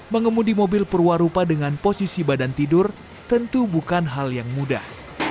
mengemudi mobil perwarupa dengan posisi badan tidur tentu bukan hal yang mudah